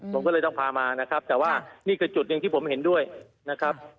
ผมก็เลยต้องพามานะครับแต่ว่านี่คือจุดหนึ่งที่ผมเห็นด้วยนะครับ